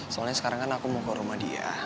soalnya sekarang kan aku mau ke rumah dia